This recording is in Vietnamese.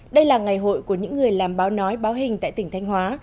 đây là ngày hội của những người làm báo nói báo hình tại tỉnh thanh hóa